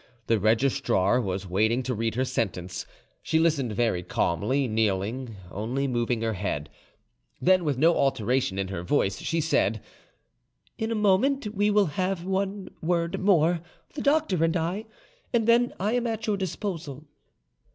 The registrar was waiting to read her the sentence. She listened very calmly, kneeling, only moving her head; then, with no alteration in her voice, she said, "In a moment: we will have one word more, the doctor and I, and then I am at your disposal."